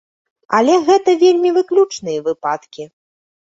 Але гэта вельмі выключныя выпадкі.